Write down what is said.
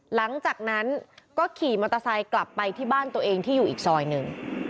หลังจากนั้นก็ขี่มอเตอร์ไซค์กลับไปที่บ้านตัวเองที่อยู่อีกซอยหนึ่ง